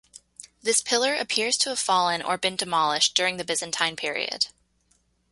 This pillar appears to have fallen or been demolished during the Byzantine period.